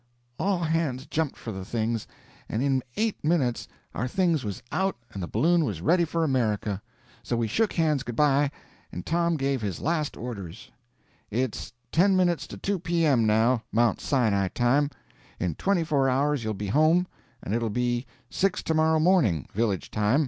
All hands jumped for the things, and in eight minutes our things was out and the balloon was ready for America. So we shook hands good bye, and Tom gave his last orders: "It's 10 minutes to 2 P.M. now, Mount Sinai time. In 24 hours you'll be home, and it'll be 6 to morrow morning, village time.